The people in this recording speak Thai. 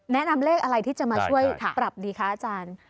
แนะนำเลขอะไรที่จะมาช่วยปรับดีคะอาจารย์